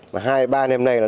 mà hai ba năm nay là